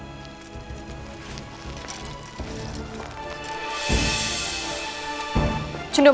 sendiko dawah kanjeng ratu